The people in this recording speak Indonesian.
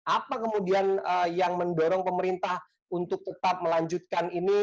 apa kemudian yang mendorong pemerintah untuk tetap melanjutkan ini